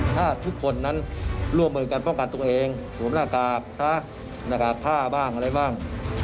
ถ้าทุกคนนั้นร่วมมือกันป้องกันตัวเองสวมหน้ากากซะหน้ากากผ้าบ้างอะไรบ้าง